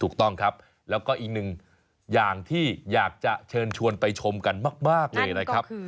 ถูกต้องครับแล้วก็อีกหนึ่งอย่างที่อยากจะเชิญชวนไปชมกันมากเลยนะครับ